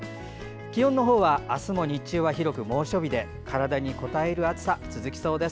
気温は明日も日中は広く猛暑日体にこたえる暑さが続きそうです。